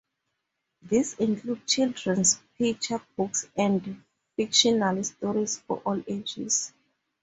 These include children's picture books and fictional stories for all ages.